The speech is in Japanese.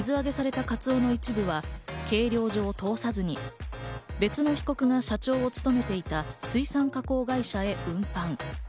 水揚げされたカツオの一部は計量所を通さずに別の被告が社長を務めていた水産加工会社へ運搬。